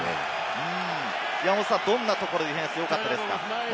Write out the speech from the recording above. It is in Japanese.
どんなところ、ディフェンスよかったですか？